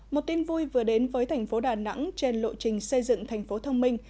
một tin vui vừa đến với thành phố đà nẵng trên lộ trình xây dựng thành phố thông minh